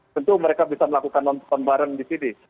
tentu mereka bisa melakukan non fan bareng di sini